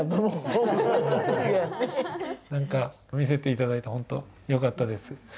見せていただいて本当よかったです。